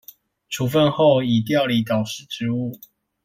處分後已調離導師職務